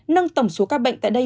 nâng tổng số ca bệnh tại đây